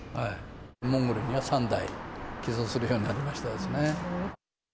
モンゴルには３台、寄贈するようになりましたですね。